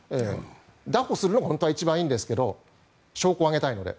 だ捕するのが本当は一番いいんですが証拠を上げたいので。